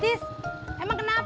berisa berangkat setubuh